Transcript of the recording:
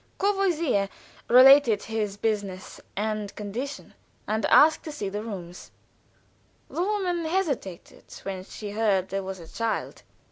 Courvoisier related his business and condition, and asked to see rooms. The woman hesitated when she heard there was a child.